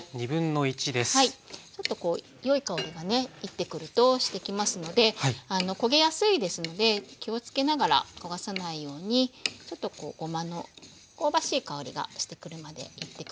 ちょっとこうよい香りがね煎ってくるとしてきますので焦げやすいですので気をつけながら焦がさないようにちょっとこうごまの香ばしい香りがしてくるまで煎って下さい。